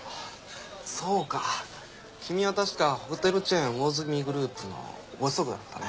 そうかキミはたしかホテルチェーン魚住グループのご子息だったね。